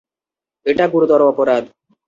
এটা গুরুতর অপরাধ!